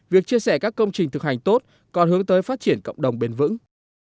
việc chia sẻ các công trình thực hành tốt còn hướng tới phát triển cộng đồng bền vững